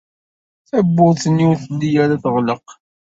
Tawwurt-nni ur telli ara teɣleq.